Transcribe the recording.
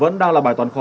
vẫn đang là bài toán khó